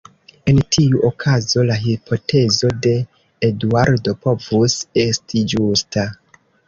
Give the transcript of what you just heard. En tiu okazo la hipotezo de Eduardo povus esti ĝusta.